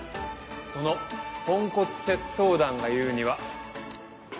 そのポンコツ窃盗団が言うには。